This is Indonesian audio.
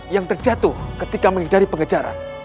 yang terjatuh ketika menghindari pengejaran